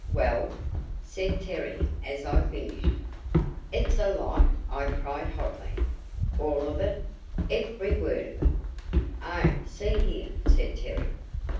"Well?" said Terry as I finished. "It's a lie," I cried hotly. "All of it?" "Every word of it!" "Oh, see here," said Terry.